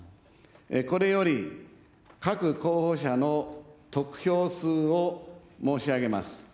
これより、各候補者の得票数を申し上げます。